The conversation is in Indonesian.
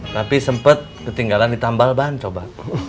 tapi sempet ketinggalan di tambalban coba